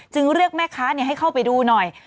เรียกแม่ค้าให้เข้าไปดูหน่อย